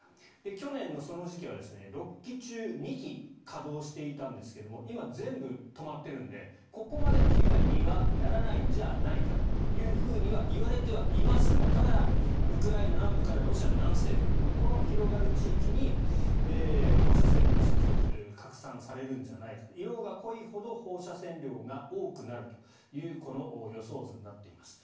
去年のその時期は６基中２基稼働していたんですが今、全部止まってるのでここまでの被害にはならないんじゃないかとはいわれてはいますがただ、ウクライナ南部からロシアの南西部この広がる地域に放射性物質が拡散されるんじゃないかと。色が濃いほど放射線量が多くなるというこの予想図になっています。